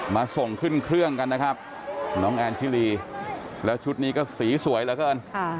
มาส่งขึ้นเครื่องกันนะครับน้องแอนชิลีแล้วชุดนี้ก็สีสวยเหลือเกิน